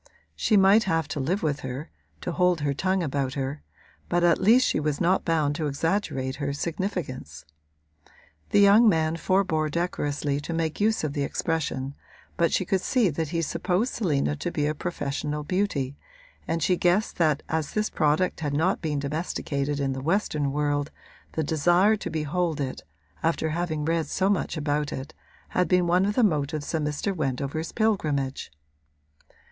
She might have to live with her, to hold her tongue about her; but at least she was not bound to exaggerate her significance. The young man forbore decorously to make use of the expression, but she could see that he supposed Selina to be a professional beauty and she guessed that as this product had not yet been domesticated in the western world the desire to behold it, after having read so much about it, had been one of the motives of Mr. Wendover's pilgrimage.